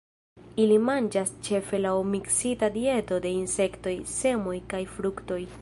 Ili manĝas ĉefe laŭ miksita dieto de insektoj, semoj kaj fruktoj.